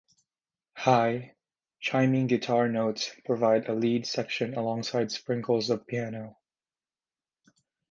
High, chiming guitar notes provide a lead section alongside sprinkles of piano.